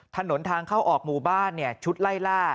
ถนนทางเข้าออกหมู่บ้านชุดไล่ล่า